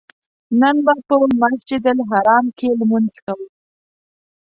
نن به په مسجدالحرام کې لمونځ کوو.